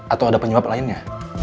atau ada penyebab lainnya